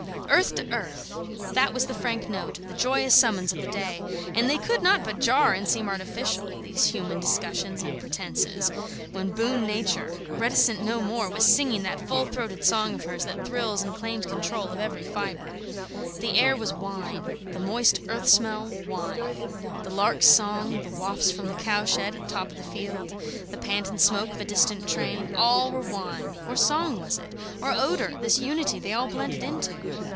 Earth to earth! That was the frank note, the joyous summons of the day; and they could not but jar and seem artificial, these human discussions and pretences, when boon Nature, reticent no more, was singing that full throated song of hers that thrills and claims control of every fibre. The air was wine; the moist earth smell, wine; the lark's song, the wafts from the cow shed at top of the field, the pant and smoke of a distant train, all were wine, or song, was it? or odour, this unity they all blended into?